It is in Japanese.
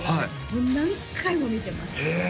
もう何回も見てますへえ